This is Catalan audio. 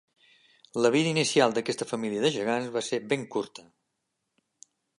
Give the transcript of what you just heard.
La vida inicial d'aquesta família de gegants va ser ben curta.